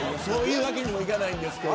そういうわけにもいかないです。